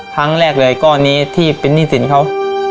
ทั้งแรกเลยก่อนนี้ที่รีนที่สินเขา